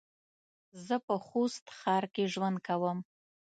زه په خوست ښار کې ژوند کوم